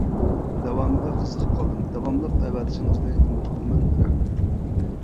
داۋامىغا قىزىقىپ قالدىم داۋاملىق ئەۋەتىشىڭىزنى ئۈمىد قىلىمەن، رەھمەت!